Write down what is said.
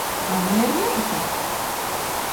Annai ir meita!